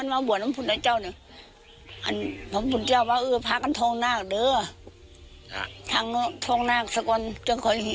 อยู่ร้ายกันพบคุณทุกคน